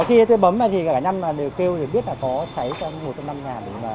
khi tôi bấm thì cả năm đều kêu biết là có cháy trong một trong năm nhà